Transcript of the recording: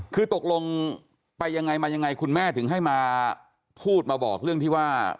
คือตกลงไปยังไงมายังไงคุณแม่ถึงให้มาพูดมาบอกเรื่องที่ว่า